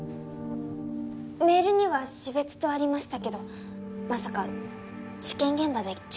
メールには死別とありましたけどまさか事件現場で殉職されたとか？